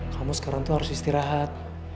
kamu sekarang tuh harus istirahat